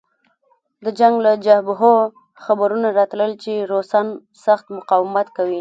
د جنګ له جبهو خبرونه راتلل چې روسان سخت مقاومت کوي